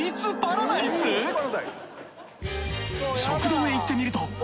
食堂へ行ってみると。